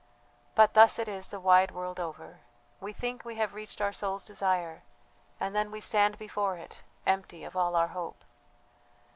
But thus it is the wide world over; we think we have reached our soul's desire, and then we stand before it empty of all our hope."